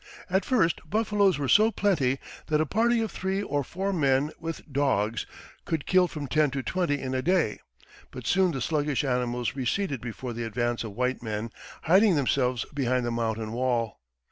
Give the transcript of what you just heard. At first, buffaloes were so plenty that a party of three or four men, with dogs, could kill from ten to twenty in a day; but soon the sluggish animals receded before the advance of white men, hiding themselves behind the mountain wall.